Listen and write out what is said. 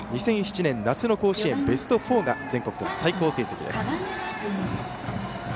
２００７年夏の甲子園ベスト４が全国での最高成績です。